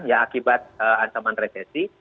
ya akibat ancaman resesi